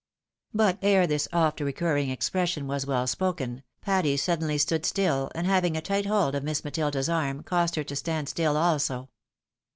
But ere this oft recurring expression was well spoken, Patty suddenly stood stiU, and having a tight hold of Miss Matilda's arm, caused her to stand stiU also.